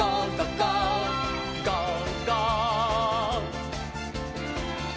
「ゴーゴー！」